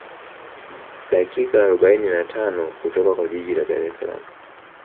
Dakika arobaini na tano kutoka kwa jiji la Dar es Salaam